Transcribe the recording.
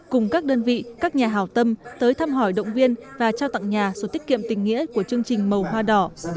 cùng các đơn vị các nhà hào tâm tới thăm hỏi động viên và trao tặng nhà số tiết kiệm tình nghĩa của chương trình màu hoa đỏ